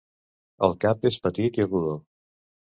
El cap és petit i rodó.